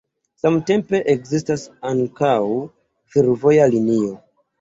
Samtempe ekzistas ankaŭ fervoja linio.